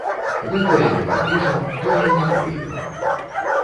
Гэтае не падпішам, тое не прымем.